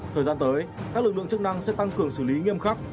thời gian tới các lực lượng chức năng sẽ tăng cường xử lý nghiêm khắc